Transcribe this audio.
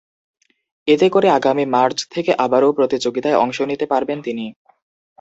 এতে করে আগামী মার্চ থেকে আবারও প্রতিযোগিতায় অংশ নিতে পারবেন তিনি।